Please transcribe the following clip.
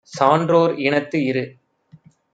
சான்றோர் இனத்து இரு.